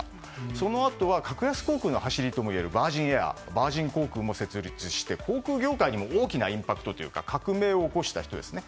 そのあとは格安航空の走りといわれるヴァージン航空設立して、航空業界にも大きなインパクトというか革命を起こした人です。